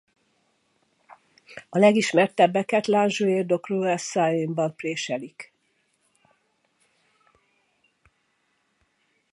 A legismertebbeket Languedoc-Roussillonban préselik.